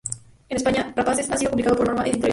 En España "Rapaces" ha sido publicado por Norma Editorial.